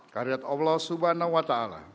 karyat allah swt